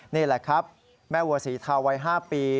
นี่แหละครับแม่วัวศรีทาวัย๕ปี